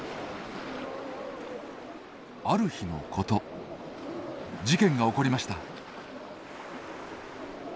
ある日のこと事件が起こりました。